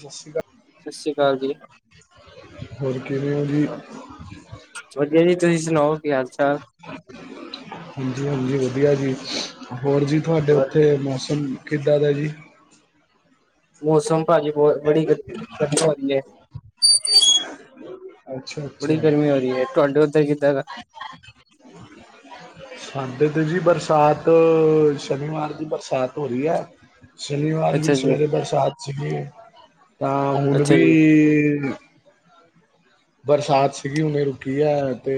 ਸਤਿ ਸ਼੍ਰੀ ਅਕਾਲ। ਸਤਿ ਸ਼੍ਰੀ ਅਕਾਲ ਜੀ। ਹਾਂ, [unintelligible] ਹੋਰ, ਕਿਹਵੇਂ ਹੋ ਜੀ? ਵਧੀਆ ਜੀ। ਤੁਸੀਂ ਸੁਣਾਓ, ਕੀ ਹਾਲ-ਚਾਲ? ਹਾਂਜੀ- ਹਾਂਜੀ, ਵਧੀਆ ਜੀ। ਹੋਣ ਜੀ ਤੁਹਾਡੇ ਹੋਰ ਉੱਥੇ ਮੌਸਮ? ਕਿੱਦਾਂ ਦਾ ਜੀ। ਮੌਸਮ, ਭਾਜੀ ਬਹੁਤ ਠੀਗ ਹੋ [unintelligible] ਰਹੀ ਹੈ। [unintelligible] ਬੜੀ ਗਰਮੀ, ਹੋ ਰਹੀ ਹੈ। ਤੁਹਾਡੇ ਉੱਧਰ ਕਿੱਦਾਂ ਦਾ? ਹਾਂਦੇ ਤੇ, ਜੀ ਬਰਸਾਤ। ਸ਼ਨੀਵਾਰ ਦੀ ਬਰਸਾਤ ਹੋ ਰਹੀ ਹੈ। ਸ਼ਨੀਵਾਰ ਵੀ, ਅੱਛਾ ਜੀ ਸਵੇਰੇ ਬਰਸਾਤ ਸੀਗੀ। ਤਾਂ ਹੁਣ ਅੱਛਾ ਜੀ ਵੀ। ਬਰਸਾਤ ਸੀਗੀ। ਹੁਨੇ ਰੁਕੀ ਹੈ। ਤੇ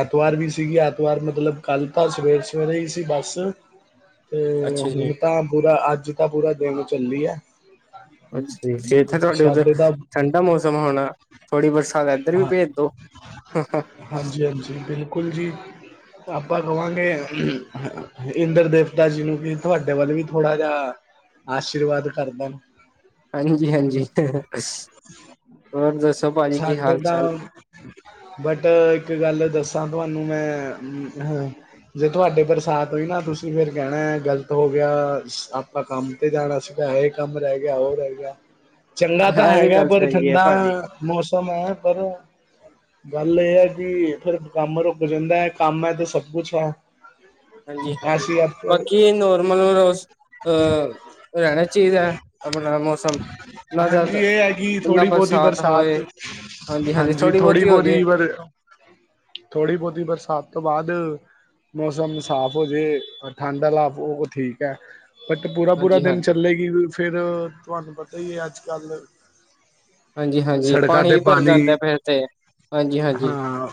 ਐਤਵਾਰ ਵੀ ਸੀਗੀ। ਐਤਵਾਰ ਮਤਲਬ ਕੱਲ ਤਾਂ ਸਵੇਰ- ਸਵੇਰੇ ਹੀ, ਸੀ। ਬਸ। ਤੇ ਅੱਛਾ ਜੀ ਹੁਣ ਤਾਂ, ਪੁਰਾ ਅੱਜ ਤਾਂ, ਪੂਰਾ ਦਿਨ ਚੱਲੀ ਹੈ। ਅੱਛਾ ਜੀ। ਫੇਰ ਤੇ, ਤੁਹਾਡੇ ਉੱਧਰ, ਸਾਡੇ ਤਾਂ ਠੰਢਾ ਮੌਸਮ ਹੋਣਾ। ਥੋੜੀ ਬਰਸਾਤ, ਏਧਰ ਵੀ ਹਾਂ ਭੇਜ ਦੋ। ਹਾਂਜੀ- ਹਾਂਜੀ, ਬਿਲਕੁਲ ਜੀ। ਆਪਾਂ ਕਹਾਂਗੇ। ਇੰਦਰ ਦੇਵਤਾ ਜੀ ਨੂੰ, ਵੀ ਤੁਹਾਡੇ ਵੱਲ ਵੀ, ਥੋੜਾ ਜਿਹਾ ਆਸ਼ੀਰਵਾਦ, ਕਰਦਾ। ਹਾਂਜੀ- ਹਾਂਜੀ। ਹੋਰ ਦੱਸੋ ਭਾਜੀ, ਕੀ ਸਾਡੇ ਹਾਲ- ਤਾਂ ਚਾਲ? ਬਟ, ਇੱਕ ਗੱਲ ਦੱਸਾਂ। ਤੁਹਾਨੂੰ ਮੈਂ ਜੇ ਤੁਹਾਡੇ, ਬਰਸਾਤ ਹੋਈ ਨਾ। ਤੁਸੀਂ ਫੇਰ ਕਹਿਣਾ, ਗ਼ਲਤ ਹੋ ਗਿਆ। ਆਪਾਂ ਕੰਮ ਤੇ ਜਾਣਾ ਸੀਗਾ। ਇਹ ਕੰਮ ਰਹਿ ਗਿਆ। ਉਹ ਰਹਿ ਗਿਆ। ਚੰਗਾ ਤਾਂ ਇਹ ਵੀ ਹੈਗਾ, ਗੱਲ ਪਰ ਸਹੀ ਹੈ ਠੰਡਾ ਭਾਜੀ ਮੌਸਮ ਹੈ। ਫੇਰ ਗੱਲ ਇਹ, ਹੈ ਕਿ। ਫੇਰ ਕੰਮ ਰੁਕ ਜਾਂਦਾ ਹੈ। ਕੰਮ ਹੈ ਤੇ, ਸਭ ਕੁੱਛ ਹੈ। ਹਾਂਜੀ- ਹਾਂਜੀ, ਐਸੀ ਆਪ ਬਾਕੀ ਨੋਰਮਲ ਬਸ ਅਹ ਉਹ ਰਹਣਾ ਚੀਹੀਦਾ, ਆਪਣਾ ਮ ਮੌਸਮ। ਨਾ ਹਾਂਜੀ, ਜ਼ਿਆਦਾ ਇਹ ਹੈਗੀ, ਨਾ ਥੋੜੀ ਬਹੁਤੀ ਬਰਸਾਤ। ਹੋਏ ਹਾਂਜੀ-ਹਾਂਜੀ ਹਾਂਜੀ, ਥੋੜ੍ਹੀ ਥੋੜੀ ਹੋ ਜੇ ਬਹੁਤੀ ਪਰ ਥੋੜੀ- ਬਹੁਤੀ ਬਰਸਾਤ ਤੋਂ, ਬਾਅਦ। ਮੌਸਮ ਸਾਫ਼, ਹੋ ਜਾਵੇ। ਠੰਡ ਵਾਲਾ ਉਹ ਠੀਕ ਹੈ। ਬਟ ਪੂਰਾ- ਪੂਰਾ ਦਿਨ ਹਾਂਜੀ-ਹਾਂਜੀ, ਚੱਲੇਗੀ। ਫੇਰ ਤੁਹਾਨੂੰ, ਪਤਾ ਹੀ ਹੈ। ਅੱਜ ਕੱਲ ਹਾਂਜੀ-ਹਾਂਜੀ ਸੜਕਾਂ ਤੇ, ਭਰ ਪਾਣੀ ਜਾਂਦਾ ਫਿਰ ਤੇ ਹਾਂਜੀ-ਹਾਂਜੀ, ਹਾਂ।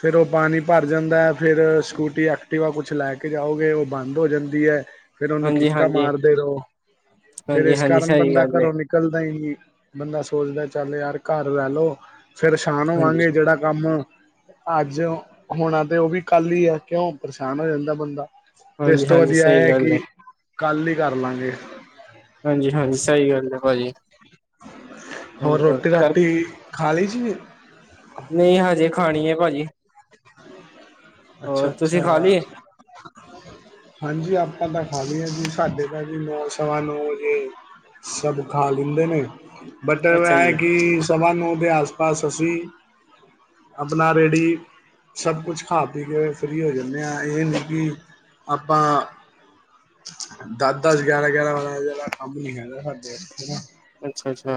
ਫੇਰ ਉਹ, ਪਾਣੀ ਭਰ ਜਾਂਦਾ ਹੈ। ਫੇਰ ਸਕੂਟੀ, ਐਕਟਿਵਾ ਕੁਛ ਲੈ ਕੇ ਜਾਓਗੇ। ਉਹ ਬੰਦ ਹੋ ਜਾਂਦੀ ਹੈ। ਫੇਰ ਉਹਨੂੰ, ਕਿਕਾ ਹਾਂਜੀ-ਹਾਂਜੀ, ਮਾਰਦੇ ਰਹੋ। ਫੇਰ ਇਸ ਹਾਂਜੀ-ਹਾਂਜੀ ਕਾਰਨ ਸਹੀ ਬੰਦਾ ਗੱਲ ਏ ਘਰੋਂ। ਨਿਕਲਦਾ ਹੀ ਨਹੀਂ। ਬੰਦਾ ਸੋਚਦਾ, ਚੱਲ ਯਾਰ ਘਰ ਰਹਿ ਲੋ। ਫੇਰਸ਼ਾਨ ਹਾਂਜੀ। ਹੋਵਾਂਗੇ। ਜਿਹੜਾ ਕੰਮ। ਅੱਜ ਹੋਣਾ, ਤੇ ਉਹ ਵੀ ਕੱਲ ਹੀ ਆ। ਕਿਉਂ ਪਰੇਸ਼ਾਨ ਹੋ ਜਾਂਦਾ ਬੰਦਾ। ਤੇ, ਇਸ ਤੋਂ ਹਾਂਜੀ-ਹਾਂਜੀ ਵਧੀਆ। ਇਹ ਸਹੀ ਹੈ ਗੱਲ ਏ ਕਿ, ਕੱਲ ਹੀ ਕਰ ਲਾਂਗੇ। ਹਾਂਜੀ- ਹਾਂਜੀ, ਸਹੀ ਗੱਲ ਹੈ, ਭਾਜੀ। ਹੋਰ, ਰੋਟੀ- ਕਰ ਰਾਟੀ ਖਾ ਲਈ ਸੀ। ਨਹੀਂ। ਹਜੇ ਖਾਣੀ, ਹੈ ਭਾਜੀ। ਹੋਰ ਅੱਛਾ- ਤੁਸੀਂ ਅੱਛਾ। ਖਾ ਲਈ ਹਾਂਜੀ। ਆਪਾਂ ਤਾਂ, ਖਾਲੀ ਹਾਂ ਜੀ। ਸਾਡੇ, ਭਾ ਜੀ ਨੌ, ਸਵਾ ਨੌ ਵਜੇ। ਸਭ ਖਾ ਲੀਦੇ ਨੇ। ਮਤਲਬ ਅੱਛਾ ਹੈ। ਜੀ ਕਿ, ਸਵਾ ਨੌ, ਦੇ ਆਸ- ਪਾਸ, ਅਸੀਂ ਆਪਣਾ ਰੇਡੀ। ਸਭ ਕੁਛ ਖਾ ਪੀ ਕੇ ਫ੍ਰਰੀ ਹੋ ਜਾਂਦੇ ਹਾਂ ਇਹ ਨਹੀਂ ਕਿ ਆਪਾਂ ਦਸ ਦਸ ਗਿਆਰਾਂ ਗਿਆਰਾਂ ਬਾਰਾਂ ਦਾ ਕੰਮ ਨੀ ਹੈਦਾ ਸਾਡੇਥ ਅੱਛਾ ਅੱਛਾ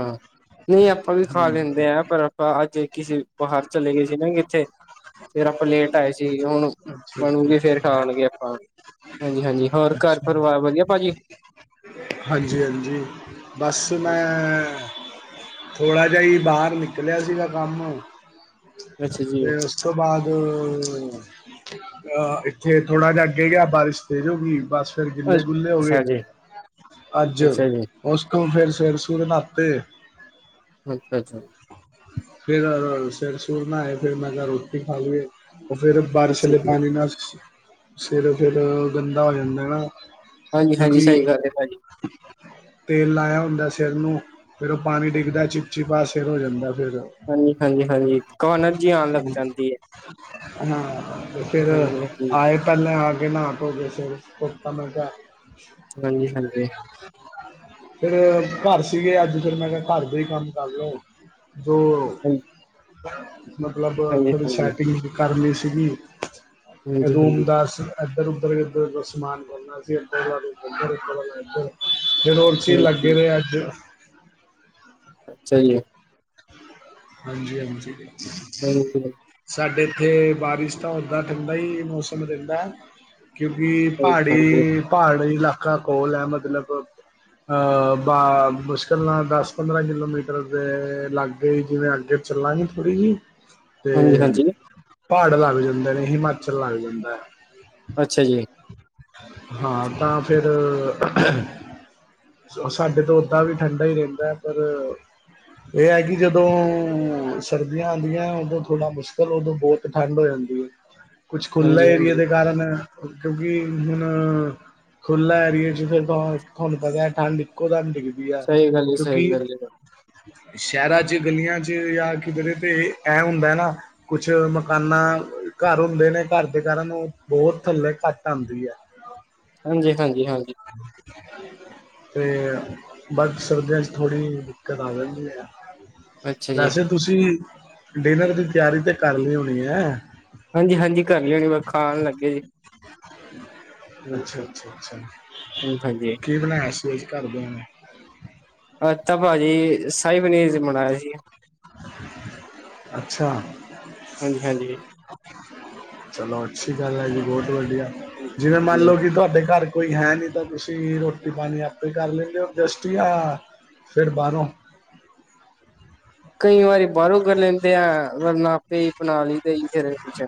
ਨਹੀਂ ਆਪ ਆਪਾਂ ਵੀ ਖਾ ਲੈਂਦੇ ਆ ਪਰ ਆਪਾਂ ਅੱਜ ਕਿਸੇ ਬਾਹਰ ਚਲੇ ਗਏ ਸੀ ਨਾ ਕਿੱਥੇ ਫੇਰ ਆਪਾਂ ਲੇਟ ਆਏ ਸੀ ਹੁਣ ਅੱਛਾ ਅੱਛਾ ਬਣੂਗੇ ਅੱਛਾ ਫੇਰ ਖਾਣਗੇ ਆਪਾਂ ਹਾਂਜੀ ਹਾਂਜੀ ਹੋਰ ਘਰ ਅੱਛਾ ਪਰਿਵਾਰ ਵਧੀਆ ਭਾਜੀ ਹਾਂਜੀ ਹਾਂਜੀ ਬਸ ਮੈਂ ਥੋੜਾ ਜਿਹਾ ਹੀ, ਬਾਹਰ ਨਿਕਲਿਆ ਸੀਗਾ। ਕੰਮ ਅੱਛਾ ਜੀ ਤੇ। ਉਸ ਤੋਂ, ਬਾਅਦ। ਅਹ ਇੱਥੇ, ਥੋੜਾ ਜਿਹਾ ਅੱਗੇ ਗਿਆ। ਬਾਰਿਸ਼ ਤੇਜ ਹੋ ਗੀ। ਬਸ। ਫੇਰ ਗਿੱਲੇ- ਗੁੱਲੇ ਹੋ ਅੱਛਾ ਗਏ। ਜੀ, ਅੱਜ, ਅੱਛਾ ਜੀ, ਉਸ ਤੋਂ ਫੇਰ ਸਿਰ- ਸੁਰ ਨਾਤੇ। ਅੱਛਾ ਅੱਛਾ ਫੇਿਰ ਸਿਰ ਸੁਰ ਨਾ ਹੈ ਫਿਰ ਮੈਂ ਕਿਹਾ ਰੋਟੀ ਖਾ ਲਈਏ ਉਹ ਫੇਿਰ ਬਾਰਿਸ਼ ਅੱਛਾ ਹੱਲੇ ਜੀ। ਪਾਣੀ ਨਾ ਸਿਰ ਫਿਰ ਗੰਦਾ ਹੋ ਜਾਂਦਾ ਹਨ ਨਾ ਹਾਂਜੀ-ਹਾਂਜੀ ਕਿਉਂਕਿ ਸਹੀ ਗੱਲ ਹੈ ਭਾਜੀ, ਤੇਲ ਲਾਇਆ ਹੁੰਦਾ ਸਿਰ ਨੂੰ ਫਿਰ ਉਹ ਪਾਣੀ ਡਿੱਗਦਾ ਚਿਪਚਿਪਾ ਸਿਰ ਹੋ ਜਾਂਦਾ ਫਿਰ ਹਾਂਜੀ ਹਾਂਜੀ ਹਾਂਜੀ ਕਨਰਜੀੀ ਆਉਣ ਲੱਗ ਜਾਂਦੀ ਹੈ ਹਾਂ ਤੇ ਫਿਰ ਹਾਂਜੀ-ਹਾਂਜੀ, ਆਏ ਪਹਿਲੇ ਆ ਕੇ ਨਾਟੋ ਜਸੇ ਕੁਤਾ ਮੈਂ ਕਿਹਾ ਹਾਂਜੀ ਹਾਂਜੀ ਫੇਿਰ ਘਰ ਸੀਗੇ ਅੱਜ ਫ ਮੈਂ ਕਿਹਾ ਘਰ ਦਾ ਹੀ ਕੰਮ ਕਰ ਲ ਜੋ ਹਾਂਜੀ ਮਤਲਬ ਥੋੜ੍ਹੀ ਸੈਟਿੰਗ ਕਰਨੀ ਸੀਗੀ ਹਾਂਜੀ-ਹਾਂਜੀ, ਰੋਮਦਾਸ ਇੱਧਰ ਉਧਰ ਇਧਰ ਸਮਾਨ ਕਰਨਾ ਸੀ ਇਧਰਧ ਫੋਰ ਚੀਜ਼ ਲੱਗੇ ਰਹੇ ਅੱਜ ਅੱਛਾਹੀ ਹੈ ਹਾਂਜੀ ਹਾਂਜੀ ਬਕ ਸਾਡੇ ਇੱਥੇ ਬਾਰਿਸ਼ ਤਾਂ ਉਦਾਂ ਠੰਡਾ ਹੀ ਮੌਸਮ ਰਹਿੰਦਾ ਹੈ ਕਿਉਂਕਿ ਪਹਾੜੀ ਪਹਾੜੀ ਇਲਾਕਾ ਕੋਲ ਹੈ ਮਤਲਬ ਬਾ ਮੁਸ਼ਕਿਲ ਨਾਲ ਦਸ ਪੰਦਰਾਂ ਕਿਲੋਮੀਟਰ ਦੇ ਲਾਗੇ ਜਿਵੇਂ ਅੱਗੇ ਚੱਲਾਂਗੇ ਥੋੜ੍ਹੀ ਜਿਹੀ ਤੇ ਪਹਾੜ ਲੱਗ ਜਾਂਦੇ ਨੇ ਹਿਮਾਚਲ ਲੱਗ ਜਾਂਦਾ ਹੈ ਅੱਛਾ ਜੀ ਹਾਂ ਤਾਂ ਫਿਰ ਸਾਡੇ ਤੋਂ ਓਦਾਂ ਵੀ ਠੰਡਾ ਹੀ ਰਹਿੰਦਾ ਏ। ਪਰ! ਇਹ ਹੈ ਕਿ ਜਦੋਂ ਸਰਦੀਆਂ ਆਉਂਦੀਆਂ ਉਦੋਂ ਥੋੜ੍ਹਾ ਮੁਸ਼ਕਿਲ ਉਦੋਂ ਬਹੁਤ ਠੰਡ ਹੋ ਜਾਂਦੀ ਏ। ਕੁਛ ਖੁੱਲਾ ਏਰੀਏ ਹਾਂਜੀ-ਹਾਂਜੀ। ਦੇ ਕਾਰਨ ਕਿਉਂਕਿ, ਹੁਣ ਖੁਲਾ ਏਰੀਏ ਚ ਫਿਰ ਤੁਹਾਨੂੰ ਪਤਾ ਹੈ ਠੰਡ ਇੱਕੋ ਦਮ ਡਿਗਦੀ। ਆ ਸਹੀ ਗੱਲ ਏ, ਸਹੀ ਕਿਉਂਕਿ, ਗੱਲ ਏ, ਸ਼ਹਿਰਾਂ ਚ ਗਲੀਆਂ ਚ ਜਾਂ ਕਿਧਰੇ ਤੇ ਇਹ ਹੁੰਦਾ ਹੈ ਨਾ, ਕੁਛ ਮਕਾਨਾਂ ਘਰ ਹੁੰਦੇ ਨੇ ਘਰ ਦੇ ਕਾਰਨ ਉਹ ਬਹੁਤ ਥੱਲੇ ਘਟ, ਆਉਦੀ ਹੈ। ਹਾਂਜੀ -ਹਾਂਜੀ -ਹਾਂਜੀ ਚ ਅਤੇ ਬਦ ਸ਼ਰਦੀਆਂ 'ਚ ਥੜ੍ਹੀ ਦਿੱਕਤ ਆ ਜਾਂਦੀ ਏ। ਅੱਛਾ ਜੀ, ਵੈਸੇ ਤੁਸੀਂ ਡਿਨਰ ਦੀ ਤਿਆਰੀ ਤੇ ਕਰ ਲਈ ਹੋਣੀ ਏ। ਹਾਂਜੀ -ਹਾਂਜੀ ਕਰ ਲਿਆਣੀ ਵ ਖਾਣ ਲੱਗੇ ਜੇ। ਅੱਛਾ -ਅੱਛਾ -ਅੱਛਾ ਹਾਂਜੀ-ਹਾਂਜੀ। ਕੀ ਬਣਾਇਆ ਸੀ ਘਰਦਿਆਂ ਨੇ? ਅੱਜ ਤਾਂ ਭਾਜੀ ਸ਼ਾਹੀ ਪਨੀਰ ਅਸੀਂ ਬਨਾਇਆ ਸੀ। ਅੱਛਾ! ਹਾਂਜੀ- ਹਾਂਜੀ ਚਲੋ ਅੱਛੀ ਗੱਲ ਹੈ ਜੀ ਬਹੁਤ ਵਧੀਆ, ਹਾਂਜੀ ਜਿਵੇਂ ਮੰਨ ਹਾਂਜੀ ਲੋ ਕਿ ਤੁਹਾਡੇ ਘਰ। ਕੋਈ ਹੈ ਨਹੀਂ ਤਾਂ ਤੁਸੀਂ ਰੋਟੀ ਪਾਣੀ ਆਪੇ ਹੀ ਕਰ ਲੈਂਦੇ ਹੋ ਐਜਸਟ ਜਾਂ ਫਿਰ ਬਾਹਰੋਂ। ਕਈ ਵਾਰੀ ਬਾਹਰੋਂ ਕਰ ਲੈਂਦੇ ਆ ਅਗਰ ਨਾ। ਤੇ ਬਣਾ ਲਈਦਾ ਜੀ ਫੇਰ ਕੁਛ।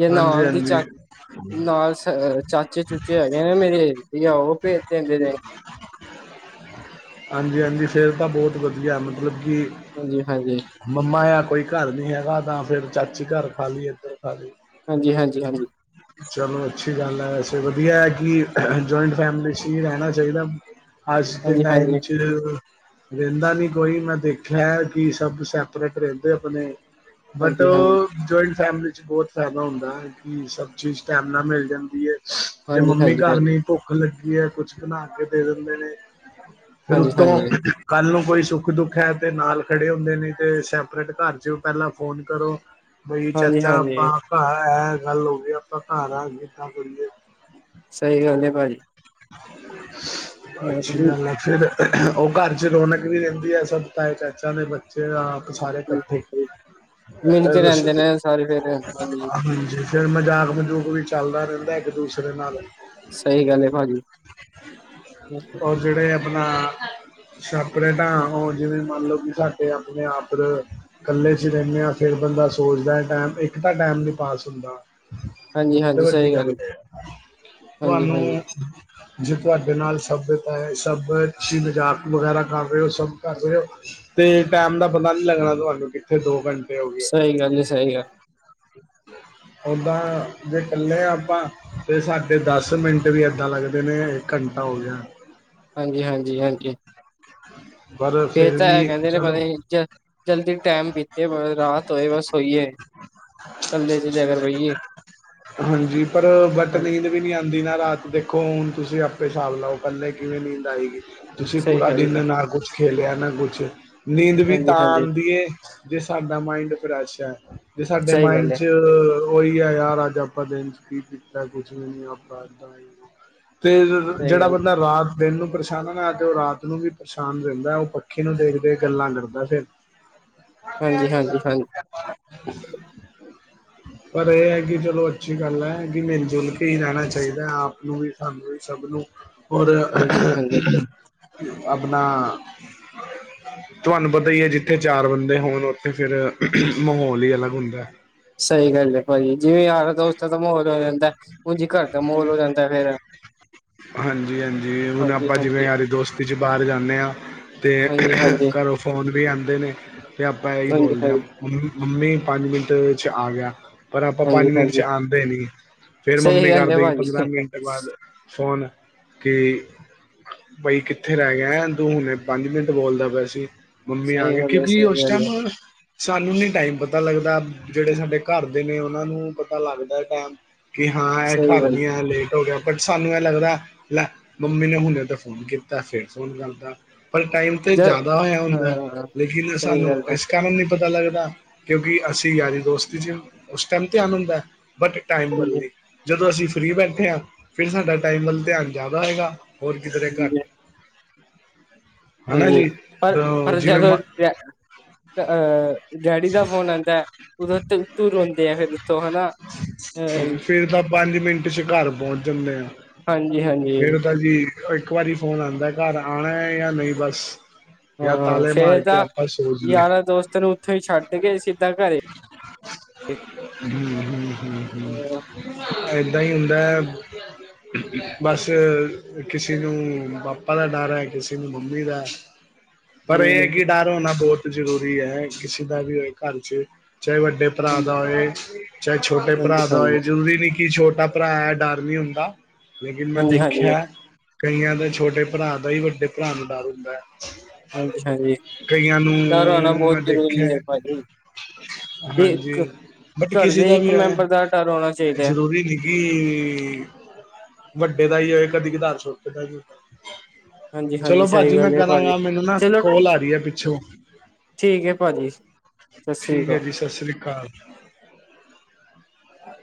ਜੇ ਹਾਂਜੀ ਨਾਲ ਦੀ ਹਾਂਜੀ ਚੱਕ। ਨਾਲ ਚਾਚੇ -ਚੂਚੇ ਹੈਗੇ ਨਾ ਮੇਰੇ ਇਡਲੀਆ ਉਹ ਭੇਜ ਦਿੰਦੇ ਨੇ। ਹਾਂਜੀ -ਹਾਂਜੀ ਫਿਰ ਤਾਂ ਬਹੁਤ ਵਧੀਆ ਮਤਲਬ ਕਿ। ਹਾਂਜੀ -ਹਾਂਜੀ ਮੰਮਾ ਆ ਕੋਈ ਘਰ ਨਹੀਂ ਹੈਗਾ ਤਾਂ ਫਿਰ ਚਾਚੀ ਘਰ ਖਾਲੀਏ ਤੇ। ਹਾਂਜੀ- ਹਾਂਜੀ -ਹਾਂਜੀ ਹ ਚਲੋ ਅੱਛੀ ਗੱਲ ਹੈ। ਵੈਸੇ ਵਧੀਆ ਹੈ ਕਿ ਜੁਆਇੰਟ ਫੈਮਿਲੀ ਹੀ ਰਹਿਣਾ ਚਾਹੀਦਾ। ਅੱਜ ਦੇ ਟਾਈਮ ਹਾਂਜੀ ਚ ਦਿੰਦਾ ਨਹੀਂ ਕੋਈ ਮੈਂ ਦੇਖਿਆ ਕਿ ਸਭ ਸੈ। ਸੈਪਰੇਟ ਰਹਿੰਦੇ ਆਪਣੇ ਬਟ। ਹਾਂਜੀ ਹਾਂਜੀ ਜੁਆਇੰਟ ਫੈਮਿਲੀ ਚ ਬਹੁਤ ਫਾਇਦਾ ਹੁੰਦਾ ਹੈ ਕਿ ਸਭ ਚੀਜ਼ ਟਾਈਮ ਨਾਲ ਮਿਲ ਜਾਂਦੀ ਏ। ਜੇ ਹਾਂਜੀ ਮੰਮੀ ਹਾਂਜੀ ਹਾਂਜੀ ਘਰ ਨਹੀਂ ਭੁੱਖ ਲੱਗੀ ਏ ਕੁਛ ਬਣਾ ਕੇ ਦੇ ਦਿੰਦੇ ਨੇ। ਫਿਰ ਭਾਜੀ ਹਾਂਜੀ ਉੱਤੋਂ ਹਾਂਜੀ ਕੱਲ ਨੂੰ ਕੋਈ ਸੁੱਖ -ਦੁੱਖ ਹੈ ਤੇ ਨਾਲ ਖੜੇ ਹੁੰਦੇ ਨੇ। ਤੇ ਸੈਪਰੇਟ ਘਰ ਜਾ ਪਹਿਲਾਂ ਫੋਨ ਕਰੋ ਬਈ ਹਾਂਜੀ ਚਾਚਾ ਹਾਂਜੀ ਆਪਾਂ। ਘਰ ਐ ਗੱਲ ਹੋਵੇ ਆਪਾਂ ਘਰ ਆ ਕਿਦਾਂ ਕਰੀਏ? ਸਹੀ ਗੱਲ ਹੈ ਭਾਜੀ। ਅੱਛੀ ਗੱਲ ਏ। ਫਿਰ ਉਹ ਘਰ 'ਚ ਰੌਣਕ ਨਹੀਂ ਰਹਿੰਦੀ ਏ ਸਭ ਤਾਏ ਚਾਚਿਆਂ ਦੇ ਬੱਚੇ। ਬੱਚੇ ਆਪ ਸਾਰੇ ਇਕੱਠੇ। ਮਿਲ ਇਹ ਕੇ ਦੱਸੋ ਰਹਿੰਦੇ ਜੀ ਨੇ ਸਾਰੇ ਫੇਰ ਹਾਂਜੀ ਹਾਂਜੀ। ਫਿਰ ਮਜ਼ਾਕ ਮਜੂਕ ਵੀ ਚੱਲਦਾ ਰਹਿੰਦਾ ਇੱਕ ਦੂਸਰੇ ਨਾਲ। ਸਹੀ ਗੱਲ ਏ ਭਾਜੀ। ਜਿਹੜੇ ਆਪਣਾ, ਸਪਰੇਟਾਂ ਹੋ ਜਿਵੇਂ ਮੰਨਲਓ ਕਿ ਸਾਡੇ ਆਪਣੇ -ਆਪ ਇਕੱਲੇ ਚ ਰਹਿੰਦੇ ਆ ਫਿਰ ਬੰਦਾ ਸੋਚਦਾ ਟਾਈਮ ਇੱਕ ਤਾਂ ਟਾਈਮ ਨੀ ਪਾਸ ਹੁੰਦਾ। ਹਾਂਜੀ ਹਾਂਜੀ ਵਡੀ ਸਹੀ ਗੱਲ ਹਾਂਜੀ ਤੁਹਾਨੂੰ, ਹਾਂਜੀ ਜੇ ਤੁਹਾਡੇ ਨਾਲ ਸੱਭਿਅਤਾ ਹੈ ਸਭ ਅਸੀ ਮਜ਼ਾਕ ਵਗੈਰਾ ਕਰ ਰਹੇ ਹੋ ਸਭ ਕਰ ਰਹੇ ਹੋ। ਤੇ ਟੈਮ ਦਾ ਪਤਾ ਨੀ ਲੱਗਣਾ ਤੁਹਾਨੂੰ ਕਿੱਥੇ ਦੋ ਘੰਟੇ ਹੋ ਗੇ। ਸਹੀ ਗੱਲ ਨੀ ਸਹੀ ਗੱਲ। ਹ ਓਦਾਂ ਜੇ ਇਕੱਲੇ ਆ ਆਪਾਂ ਤੇ ਸਾਡੇ ਦਸ ਮਿੰਟ ਵੀ ਏਦਾਂ ਲੱਗਦਾ। ਦਿਨੇ ਇੱਕ ਘੰਟਾ ਹੋ ਗਿਆ। ਹਾਂਜੀ ਹਾਂਜੀ ਹਾਂਜੀ ਹਮ ਫੇਰ ਤਾਂ ਇਹ ਕਹਿੰਦੇ ਨੇ ਪਤਾ ਜਲਦੀ ਟਾਈਮ ਬੀਤੇ ਬ ਰਾਤ ਹੋਏ ਬਸ ਸੋਈਏ। ਕੱਲੇ ਚ ਜਾ ਘਰ ਬਈ। ਹਾਂਜੀ ਪਰ ਬਟ ਨਹੀਂ। ਵੀ ਨੀਦ ਆਉਂਦੀ ਨਾ ਰਾਤ ਦੇਖੋ ਹੁਣ ਤੁਸੀਂ ਆਪੇ ਹਿਸਾਬ ਲਓ ਇਕੱਲੇ ਕਿਵੇਂ ਨੀਂਦ ਆਏਗੀ। ਤੁਸੀਂ ਸਹੀ ਪੂਰਾ ਗੱਲ ਹੈ ਨਾ ਕੁਛ ਖੇਲਿਆ ਨਾ ਕੁਛ ਨੀਂਦ ਵੀ ਹਾਂਜੀ ਤਾਂ ਹਾਂਜੀ ਆਉਂਦੀ ਏ। ਜੇ ਸਾਡਾ ਮਾਇਂੰਡ ਫਰੈਸ਼ ਹੈ ਜੇ ਸਾਡੇ ਸਹੀ ਮਾਇਂਡ ਗੱਲ ਹੈ 'ਚ। ਉਹੀ ਆ ਯਾਰ ਅੱਜ ਆਪਾਂ ਦਿਨ ਕੀ ਕੀਤਾ ਕੁਛ ਵੀ ਨਹੀਂ ਤੇ ਸਹੀ ਜਿਹੜਾ ਗੱਲ ਬੰਦਾ ਰਾਤ ਦਿਨ ਨੂੰ ਪਰੇਸ਼ਾਨ ਹੈ ਨਾ ਤੇ ਉਹ ਰਾਤ ਨੂੰ ਵੀ ਪਰੇਸ਼ਾਨ ਰਹਿੰਦਾ ਉਹ ਪੱਖੇ ਨੂੰ ਦੇਖਦੇ ਗੱਲਾਂ ਕਰਦਾ ਫਿਰ। ਹਾਂਜੀ ਹਾਂਜੀ ਹਾਂਜੀ ਅ ਪਰ ਇਹ ਹੈ ਕਿ ਚਲੋ ਅੱਛੀ ਗੱਲ ਹੈ ਕਿ ਮਿਲ ਜੁਲ ਕੇ ਹੀ ਰਹਿਣਾ ਚਾਹੀਦਾ ਹੈ ਆਪ ਨੂੰ ਵੀ ਸਾਨੂੰ ਵੀ ਸਭ ਨੂੰ ਔਰ, ਹਾਂਜੀ ਹਾਂਜੀ ਆਪਣਾ ਤੁਹਾਨੂੰ ਪਤਾ ਹੀ ਹੈ ਜਿੱਥੇ ਚਾਰ ਬੰਦੇ ਹੋਣ ਉੱਥੇ ਫਿਰ, ਮਾਹੌਲ ਹੀ ਅਲੱਗ ਹੁੰਦਾ ਸਹੀ ਗੱਲ ਹੈ ਭਾਜੀ, ਜਿਵੇਂ ਯਾਰ ਦੋਸਤਾਂ ਦਾ ਮਾਹੌਲ ਹੋ ਜਾਂਦਾ ਹੈ ਉਂਝ ਘਰ ਦਾ ਮਾਹੌਲ ਹੋ ਜਾਂਦਾ ਫੇਰ ਹਾਂਜੀ ਹਾਂਜੀ ਹੁਣ ਹਾਂਜੀ ਆਪਾਂ ਜਿਵੇਂ ਹਾਂਜੀ ਯਾਰੀ ਦੋਸਤੀ 'ਚ ਬਾਹਰ ਜਾਂਦੇ ਹਾਂ। ਅਤੇ ਹਾਂਜੀ ਹਾਂਜੀ ਘਰੋਂ ਫੋਨ ਵੀ ਆਉਂਦੇ ਨੇ ਅਤੇ ਆਪਾਂ ਇਹੀ ਹਾਂਜੀ ਬੋਲਦੇ ਹਾਂ। ਹਾਂਜੀ ਮੰ ਮੰਮੀ ਪੰਜ ਮਿੰਟ ਵਿੱਚ ਆ ਗਿਆ ਪਰ ਆਪਾਂ ਪੰਜ ਹਾਂਜੀ ਮਿੰਟ ਚ ਹਾਂਜੀ ਆਉਂਦੇ ਨੀ, ਫੇਰ ਸਹੀ ਮੰਮੀ ਗੱਲ ਹੈ ਕਰਦੇ ਕਿ ਭਾਜੀ ਪੰਦਰਾਂ ਮਿੰਟ ਬਾਅਦ ਫੋਨ ਕੀ ਬਾਈ ਕਿੱਥੇ ਰਹਿ ਗਿਆ ਤੂੰ ਹੁਣੇ ਪੰਜ ਮਿੰਟ ਬੋਲਦਾ ਪਿਆ ਸੀ ਮੰਮੀ ਆ ਸਹੀ ਗਏ ਗੱਲ ਹੈ ਕਿਉਂਕਿ ਸਹੀ ਉਸ ਗੱਲ ਹੈ ਟਾਈਮ ਸਾਨੂੰ ਨੀ ਟਾਈਮ ਪਤਾ ਲੱਗਦਾ, ਜਿਹੜੇ ਸਾਡੇ ਘਰ ਦੇ ਨੇ ਉਹਨਾਂ ਨੂੰ ਪਤਾ ਲੱਗਦਾ ਟਾਈਮ ਕਿ ਹਾਂ ਇਹ ਸਹੀ ਘਰ ਗੱਲ ਨੀ ਆਇਆ ਹਲੇ ਿਆ ਬਟ ਸਾਨੂੰ ਇਹ ਲੱਗਦਾ ਲੈ ਮੰਮੀ ਨੇ ਹੁਣੇ ਤਾਂ ਫੋਨ ਕੀਤਾ ਫਿਰ ਫੋਨ ਕਰਦਾ ਪਰ ਟਾਈਮ ਤੇ ਜ ਜ਼ਿਆਦਾ ਹੋਇਆ ਹੁੰਦਾ, ਹਾਂ ਲੇਕਿਨ ਸਹੀ ਸਾਨੂੰ ਗੱਲ ਹੈ ਇਸ ਕਾਰਨ ਪਤਾ ਲੱਗਦਾ ਕਿਉਂਕਿ ਅਸੀਂ ਯਾਰੀ ਦੋਸਤੀ ' ਉਸ ਟਾਈਮ ਧਿਆਨ ਹੁੰਦਾ ਬਟ ਟਾਈਮ ਵੱਲ ਹਾਂਜੀ ਨਹੀਂ, ਜਦੋਂ ਅਸੀਂ ਫਰੀ ਬੈਠੇ ਹਾਂ ਫਿਰ ਸਾਡਾ ਟਾਈਮ ਵੱਲ ਧਿਆਨ ਜ਼ਿਆਦਾ ਹੋਏਗਾ ਹੋਰ ਕਿਧਰੇ ਘੱਟ ਹਾਂਜੀ ਹਨਾ ਹਾਂਜੀ, ਜੀ ਪਰ ਅ -ਪਰ ਜਿਵੇਂ ਜਦੋਂ ਮ ਅ ਅਹ ਡੈਡੀ ਦਾ ਫੋਨ ਆਉਂਦਾ ਉਦੋਂ ਉਥੋਂ ਰੋਂਦੇ ਆ ਫਿਰ ਉਥੋਂ ਹਨਾ ਅ ਫੇਰ ਤਾਂ ਪੰਜ ਮਿੰਟ ਚ ਘਰ ਪਹੁੰਚ ਜਾਂਦੇ ਆ, ਹਾਂਜੀ ਹਾਂਜੀ ਫੇਰ ਤਾਂ ਜੀ ਇੱਕ ਵਾਰੀ ਫੋਨ ਆਉਂਦਾ, ਘਰ ਆਉਣਾ ਜਾਂ ਨਹੀਂ ਬਸ ਜਾਂ ਹਾਂ, ਤਾਲੇ ਫੇਰ ਮਾਰ ਕੇ ਤਾਂ ਆਪਾਂ ਸੋ ਜਾਈਏ ਯਾਰਾਂ ਦੋਸਤਾਂ ਨੂੰ ਉੱਥੋਂ ਹੀ ਛੱਡ ਕੇ ਸਿੱਧਾਂ ਘਰੇ ਹ ਹ ਹ ਹ ਏਦਾਂ ਹੀ ਹੁੰਦਾ ਹੈ ਬਸ ਕਿਸੇ ਨੂੰ ਪਾਪਾ ਦਾ ਡਰ ਹੈ ਕਿਸੇ ਨੂੰ ਮੰਮੀ ਦਾ [inaudible] ਪਰ ਇਹ ਹੈ ਹਮ ਕਿ ਡਰ ਹੋਣਾ ਬਹੁਤ ਜ਼ਰੂਰੀ ਹੈ ਕਿਸੇ ਦਾ ਵੀ ਹੋ ਘਰ ਚ, ਚਾਹੇ ਵੱਡੇ ਭਰਾ ਹਾਂਜੀ ਦਾ ਹੋਏ ਚਾਹੇ ਛੋਟੇ ਹਾਂਜੀ ਭਰਾ ਦਾ ਹੋਏ ਹਾਂਜੀ ਜਰੂਰੀ ਨੀ ਕਿ ਛੋਟਾ ਭਰਾ ਹੈ ਡਰ ਨੀ ਹੁੰਦਾ ਲੇਕਿਨ ਮੈਂ ਹਾਂਜੀ ਦੇਖਿਆ ਹਾਂਜੀ ਕਈਆਂ ਦੇ ਛੋਟੇ ਭਰਾ ਦਾ ਹੀ ਵੱਡੇ ਭਰਾ ਨੂੰ ਡਰ ਹੁੰਦਾ ਹੈ ਅੱਛਾ ਜੀ ਕਈਆਂ ਨੂੰ ਘਰ ਆਉਣਾ ਬਹੁਤ ਮੈਂ ਦੇਖਿਆ ਜ਼ਰੂਰੀ ਹੈ ਭਾਜੀ ਇਹ ਹਾਂਜੀ, ਬਟ ਘਰ ਕਿਸੇ ਦੇ ਦਾ ਵੀ ਇੱਕ ਆ ਮੈਂਬਰ ਦਾ ਡਰ ਹੋਣਾ ਚਾਹੀਦਾ ਹੈ ਜ਼ਰੂਰੀ ਨਹੀਂ ਕੀ, ਵੱਡੇ ਦਾ ਹੀ ਹੋਏ ਕਦੀ ਕਧਾਰ ਛੋਟੇ ਦਾ ਜ ਹਾਂਜੀ ਚਲੋ ਹਾਂਜੀ ਸਹੀ ਭਾਜੀ ਮੈਂ ਗੱਲ ਹੈ ਭਾਜੀ ਕਰਾਂਗਾ, ਮੈਨੂੰ ਨਾ ਚਲੋ ਕੋਲ ਆ ਰਹੀ ਹੈ ਪਿੱਛੋਂ ਠੀਕ ਹੈ ਭਾਜੀ ਸਤਿ ਸ੍ਰੀ ਠੀਕ ਅਕਾਲ ਹੈ ਜੀ ਸਤਿ ਸ੍ਰੀ ਅਕਾਲ ਹਾਂ